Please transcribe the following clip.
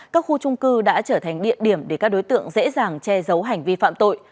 các khu trung cư đã trở thành địa điểm để các đối tượng dễ dàng che giấu hành vi phạm tội